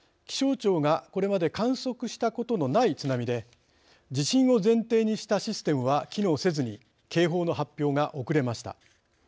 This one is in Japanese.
気象庁がこれまで観測したことのない津波で地震を前提にしたシステムは機能せずに警報の発表が遅れました。